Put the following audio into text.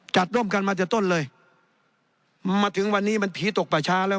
จัดร่วมกันมาแต่ต้นเลยมาถึงวันนี้มันผีตกป่าช้าแล้ว